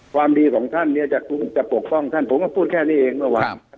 ความดีของท่านเนี่ยจะคงจะปกป้องท่านผมก็พูดแค่นี้เองเมื่อวาน